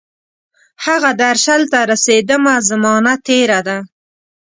هغه درشل ته رسیدمه، زمانه تیره ده